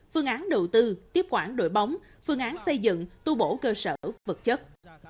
phương án đầu tư tiếp quản đội bóng phương án xây dựng tu bổ cơ sở vật chất